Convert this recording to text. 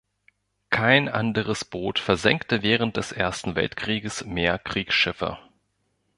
Kein anderes Boot versenkte während des Ersten Weltkrieges mehr Kriegsschiffe.